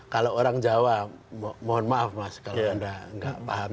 kalau orang jawa mohon maaf mas kalau anda nggak paham